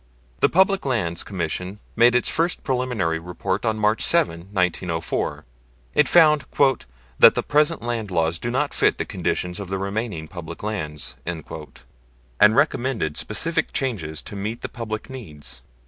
The Public Lands Commission made its first preliminary report on March 7, 1904. It found "that the present land laws do not fit the conditions of the remaining public lands," and recommended specific changes to meet the public needs.